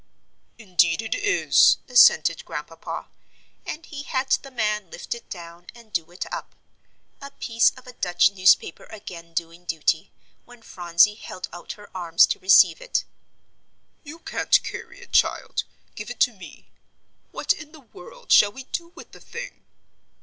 "Indeed it is," assented Grandpapa, and he had the man lift it down and do it up; a piece of a Dutch newspaper again doing duty, when Phronsie held out her arms to receive it. "You can't carry it, child; give it to me. What in the world shall we do with the thing?"